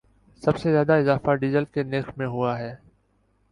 سب سے زیادہ اضافہ ڈیزل کے نرخ میں ہوا ہے